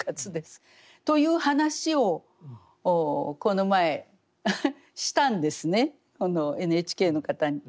という話をこの前したんですねＮＨＫの方に。